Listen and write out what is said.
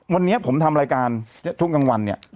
วันนี้ผมทำรายการทุกกลางวันเนี่ย